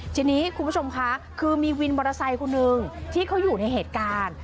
ที่นี้คุณผู้ชมค่ะคือมีวินบทบอสไทยคุณนึงที่เขาอยู่ในเหตุการณ์